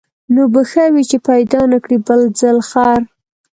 نو به ښه وي چي پیدا نه کړې بل ځل خر